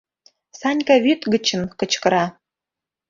— Санька вӱд гычын кычкыра.